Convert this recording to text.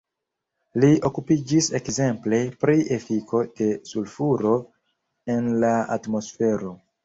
Li okupiĝis ekzemple pri efiko de sulfuro en la atmosfero.